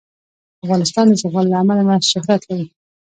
افغانستان د زغال له امله شهرت لري.